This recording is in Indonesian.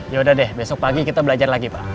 yaudah deh besok pagi kita belajar lagi pak